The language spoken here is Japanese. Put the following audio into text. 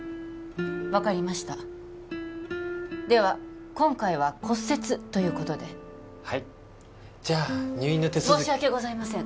分かりましたでは今回は骨折ということではいじゃあ入院の手続申し訳ございません